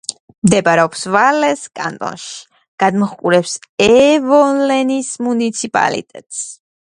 მდებარეობს ვალეს კანტონში; გადმოჰყურებს ევოლენის მუნიციპალიტეტს.